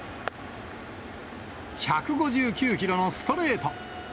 １５９キロのストレート。